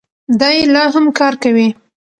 دی لا هم کار کوي.